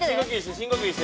深呼吸して。